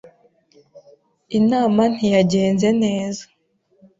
Inama ntiyagenze neza.